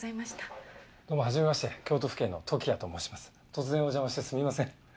突然お邪魔してすみません。